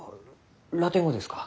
ラテン語ですか？